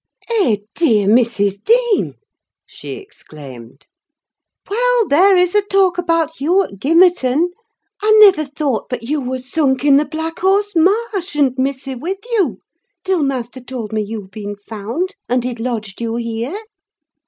"Eh, dear! Mrs. Dean!" she exclaimed. "Well! there is a talk about you at Gimmerton. I never thought but you were sunk in the Blackhorse marsh, and missy with you, till master told me you'd been found, and he'd lodged you here!